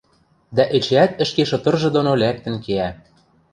дӓ эчеӓт ӹшке шытыржы доно лӓктӹн кеӓ.